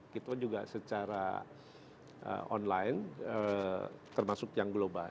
kita juga secara online termasuk yang global